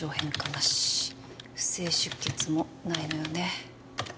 なし不正出血もないのよね